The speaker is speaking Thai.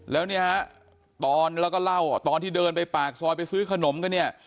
แล้วเนี่ยฮะตอนแล้วก็เล่าตอนที่เดินไปปากซอยไปซื้อขนมกันเนี่ย